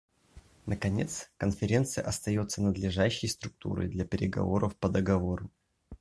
Наконец, Конференция остается надлежащей структурой для переговоров по договору.